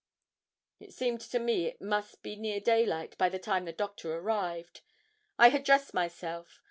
It seemed to me it must be near daylight by the time the Doctor arrived. I had dressed myself.